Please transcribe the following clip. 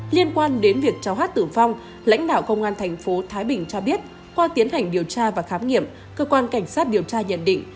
liên quan đến việc cháu h t tử vong lãnh đạo công an tp thái bình cho biết qua tiến hành điều tra và khám nghiệm cơ quan cảnh sát điều tra nhận định